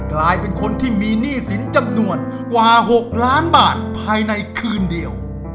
กลายเป็นคนที่มีหนี้สินจำนวนกว่า๖ล้านบาทภายในคืนเดียว